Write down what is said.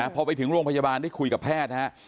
พอไปถึงโรงพยาบาลได้คุยกับแพทย์นะฮะ